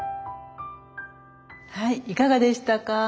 はいいかがでしたか？